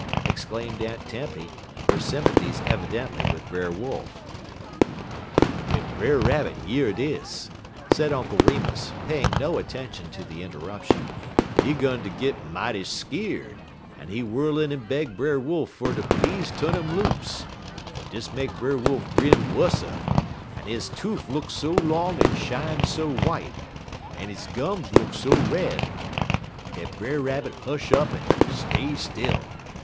exclaimed Aunt Tempy, her sympathies evidently with Brother Wolf. "W'en Brer Rabbit year dis," said Uncle Remus, paying no attention to the interruption, "he 'gun ter git mighty skeer'd, en he whirl in en beg Brer Wolf fer ter please tu'n 'im loose; but dis make Brer Wolf grin wusser, en he toof look so long en shine so w'ite, en he gum look so red, dat Brer Rabbit hush up en stay still.